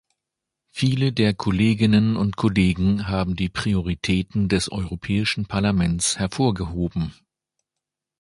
Viele der Kolleginnen und Kollegen haben die Prioritäten des Europäischen Parlaments hervorgehoben.